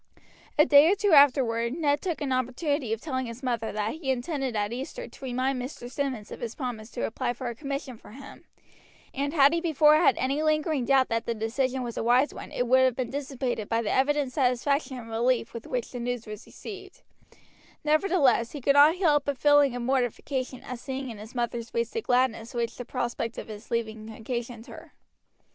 A day or two afterward Ned took an opportunity of telling his mother that he intended at Easter to remind Mr. Simmonds of his promise to apply for a commission for him; and had he before had any lingering doubt that the decision was a wise one it would have been dissipated by the evident satisfaction and relief with which the news was received; nevertheless, he could not help a feeling of mortification at seeing in his mother's face the gladness which the prospect of his leaving occasioned her.